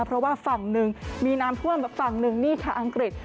เพราะว่าฝั่งหนึ่งมีน้ำท่วมแบบฝั่งหนึ่งนี่ค่ะอังกฤษ